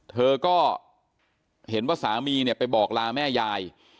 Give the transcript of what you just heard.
เธอก็เห็นว่าสามีเนี่ยไปบอกลาแม่ยาย